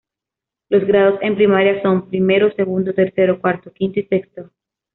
Los grados en primaria son: primero, segundo, tercero, cuarto, quinto y sexto.